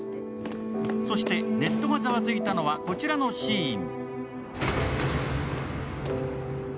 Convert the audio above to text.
そしてネットがざわついたのはこちらのシーン。